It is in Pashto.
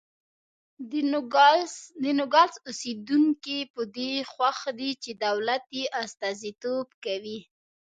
د نوګالس اوسېدونکي په دې خوښ دي چې دولت یې استازیتوب کوي.